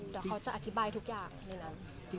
เดี๋ยวเขาจะอธิบายทุกอย่างในนั้น